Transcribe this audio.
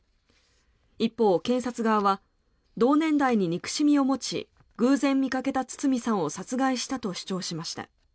一方、検察側は同年代に憎しみを持ち偶然見かけた堤さんを殺害したと主張しました。